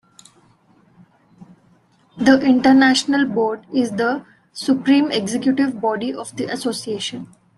The International Board is the supreme executive body of the association.